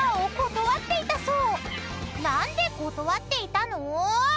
［何で断っていたの？］